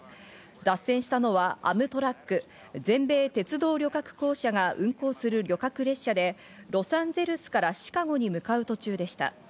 脱線したのはアムトラック＝全米鉄道旅客公社が運行する旅客列車でロサンゼルスからシカゴに向かう途中でした。